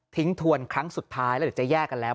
ทิ้งถวนครั้งสุดท้ายหรือจะแยกกันแล้ว